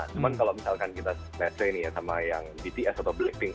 cuman kalau misalkan kita nese sama yang bts atau blackpink